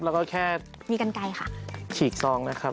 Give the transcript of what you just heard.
แล้วก็เขียนอีกสองนะครับ